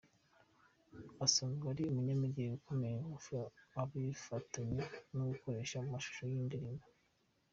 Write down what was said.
Asanzwe ari umunyamideli ukomeye ubifatanya no gukoreshwa mu mashusho y’indirimbo.